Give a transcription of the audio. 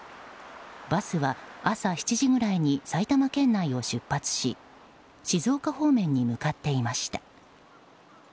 バスは朝７時ぐらいに埼玉県内を出発し静岡方面に向かっていました。